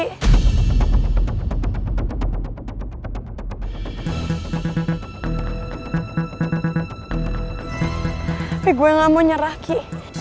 tapi gue gak mau nyerah ki